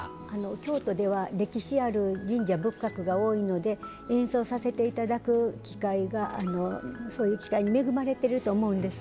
京都では歴史ある神社仏閣が多いので演奏させて頂く機会がそういう機会に恵まれてると思うんです。